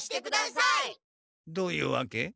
どういうわけ？